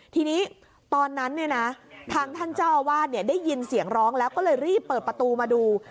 ทีนี้ตอนนั้นเนี่ยนะทางท่านเจ้าอาวาสได้ยินเสียงร้องแล้วก็เลยรีบเปิดประตูมาดู